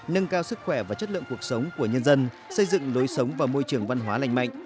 nâng cao sức khỏe và chất lượng cuộc sống của nhân dân xây dựng lối sống và môi trường văn hóa lành mạnh